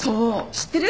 知ってる？